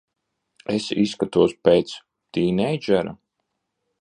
Es izskatos pēc... tīneidžera?